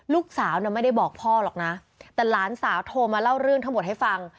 ลูกสาวน่ะไม่ได้บอกพ่อหรอกนะแต่หลานสาวโทรมาเล่าเรื่องทั้งหมดให้ฟัง